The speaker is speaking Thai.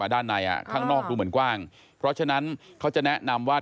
ด้านในข้างนอกดูเหมือนกว้างเพราะฉะนั้นเขาจะแนะนำว่า